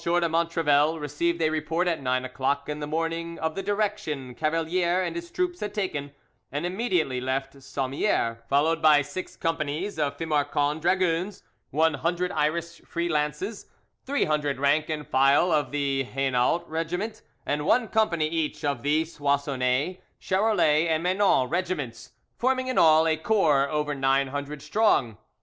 M. de Montrevel received a report at nine o'clock in the morning of the direction Cavalier and his troops had taken, and immediately left Sommieres, followed by six companies of Fimarqon dragoons, one hundred Irish free lances, three hundred rank and file of the Hainault regiment, and one company each of the Soissonnais, Charolais, and Menon regiments, forming in all a corps over nine hundred strong.